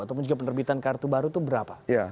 ataupun juga penerbitan kartu baru itu berapa